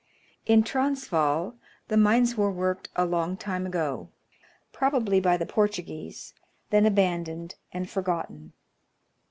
In Transvaal the mines were worked a long time ago, probably by the Portu guese, then abandoned and forgotten.